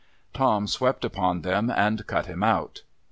Tom swept upon them, and cut him out.